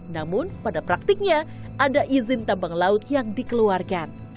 namun pada praktiknya ada izin tambang laut yang dikeluarkan